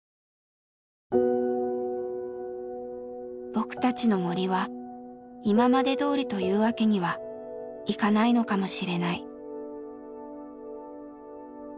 僕たちの森は今までどおりというわけにはいかないのかもしれない。